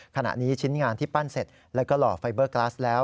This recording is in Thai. ขณะนี้ชิ้นงานที่ปั้นเสร็จแล้วก็หล่อไฟเบอร์กลาสแล้ว